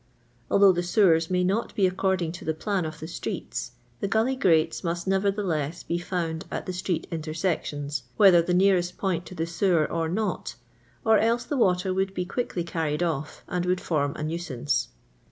Although the sewers nay not be according to the plan of the streets, the gully grates must nevertheless be found at the street intersections, whether the nearest point to the sewer or not, or else the water would not be quickly carried off, and would form a nuisance.